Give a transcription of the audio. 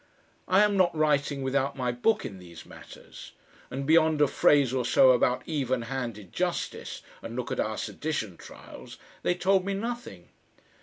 I am not writing without my book in these matters. And beyond a phrase or so about "even handed justice" and look at our sedition trials! they told me nothing.